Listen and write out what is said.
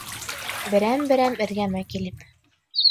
Берәм-берәм эргәмә килеп: